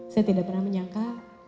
saya tidak pernah menyangka